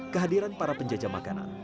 kehadiran para penjajah makanan